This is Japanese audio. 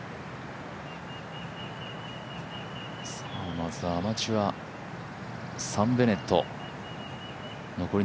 まずアマチュア、サム・ベネット。